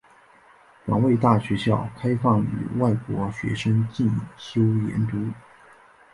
防卫大学校开放予外国学生进修研读。